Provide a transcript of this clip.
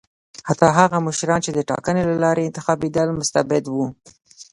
حتی هغه مشران چې ټاکنو له لارې انتخابېدل مستبد وو.